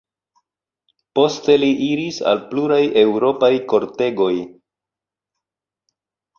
Poste li iris al pluraj eŭropaj kortegoj.